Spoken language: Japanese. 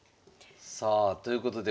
さあということで